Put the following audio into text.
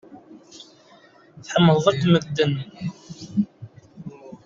Tḥemmleḍ akk medden.